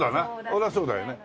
そりゃあそうだよね。